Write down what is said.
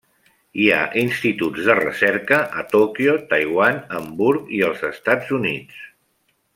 Hi ha instituts de recerca a Tòquio, Taiwan, Hamburg i els Estats Units.